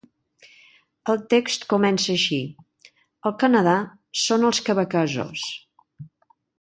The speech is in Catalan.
El text comença així: Al Canadà són els quebequesos.